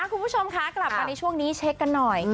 คุณผู้ชมคะกลับมาในช่วงนี้เช็คกันหน่อย